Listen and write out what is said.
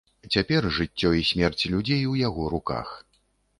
Цяпер жыццё і смерць людзей у яго руках.